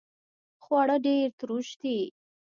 خواړه ډیر تروش دي